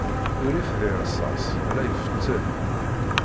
Urrif di rṣas la ifettel.